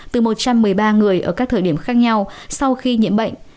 từ một trăm một mươi ba người ở các thời điểm khác nhau sau khi nhiễm bệnh